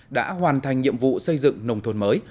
đã hoàn thành nhiệm vụ xây dựng nông thôn mới